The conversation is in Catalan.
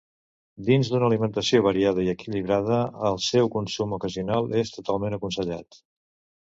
Dins d'una alimentació variada i equilibrada el seu consum ocasional és totalment aconsellat.